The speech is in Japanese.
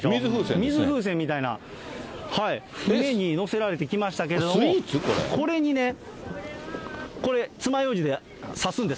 水風船みたいな、船に載せられてきましたけど、これにね、これ、つまようじで刺すんです。